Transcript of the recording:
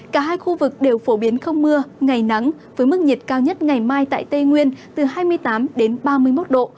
cả hai khu vực đều phổ biến không mưa ngày nắng với mức nhiệt cao nhất ngày mai tại tây nguyên từ hai mươi tám đến ba mươi một độ